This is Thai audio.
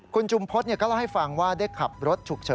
คุณจุมพฤษก็เล่าให้ฟังว่าได้ขับรถฉุกเฉิน